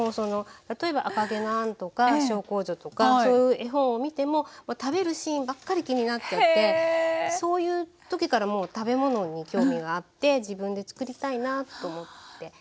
例えば「赤毛のアン」とか「小公女」とかそういう絵本を見ても食べるシーンばっかり気になっちゃってそういう時から食べ物に興味があって自分で作りたいなと思って。